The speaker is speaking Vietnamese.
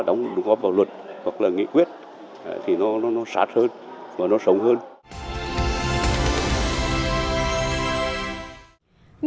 đóng góp vào luật hoặc là nghị quyết thì nó sát hơn và nó sống hơn